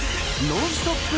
ノンストップ！